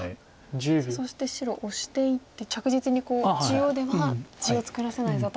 さあそして白オシていって着実に中央では地を作らせないぞと。